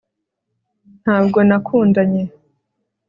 ntabwo nakundanye